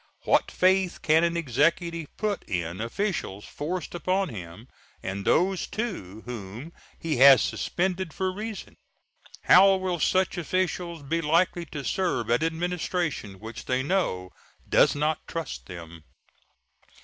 What faith can an Executive put in officials forced upon him, and those, too, whom he has suspended for reason? How will such officials be likely to serve an Administration which they know does not trust them?